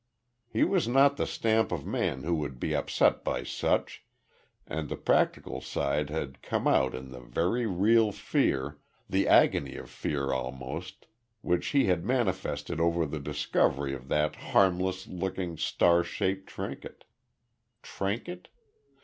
He was not the stamp of man who would be upset by such, and the practical side had come out in the very real fear the agony of fear almost which he had manifested over the discovery of that harmless looking star shaped trinket. Trinket?